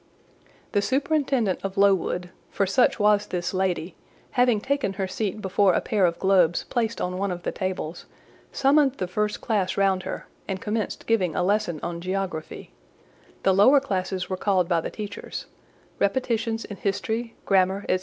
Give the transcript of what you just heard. The superintendent of Lowood (for such was this lady) having taken her seat before a pair of globes placed on one of the tables, summoned the first class round her, and commenced giving a lesson on geography; the lower classes were called by the teachers: repetitions in history, grammar, &c.